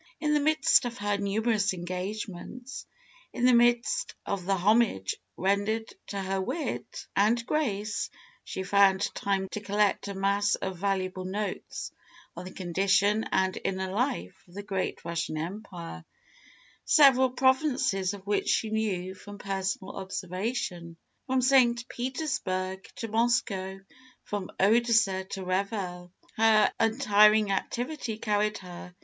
In the midst of her numerous engagements, in the midst of the homage rendered to her wit and grace, she found time to collect a mass of valuable notes on the condition and inner life of the great Russian Empire, several provinces of which she knew from personal observation. From St. Petersburg to Moscow, from Odessa to Revel, her untiring activity carried her.